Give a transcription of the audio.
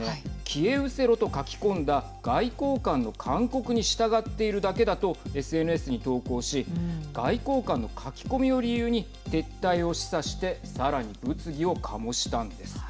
消えうせろと書き込んだ外交官の勧告に従っているだけだとＳＮＳに投稿し外交官の書き込みを理由に撤退を示唆してさらに物議を醸したんです。